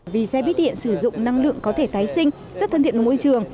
vì xe bít điện sử dụng năng lượng có thể tái sinh rất thân thiện với môi trường